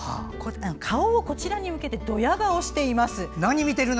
顔をこちらに向けてどや顔をしています。